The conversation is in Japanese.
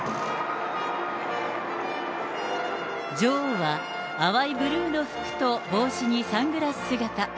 女王は淡いブルーの服と帽子にサングラス姿。